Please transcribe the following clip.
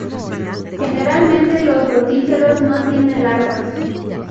Generalmente los rotíferos no tienen larvas.